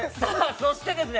そしてですね